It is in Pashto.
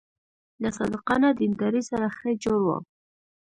له صادقانه دیندارۍ سره ښه جوړ و.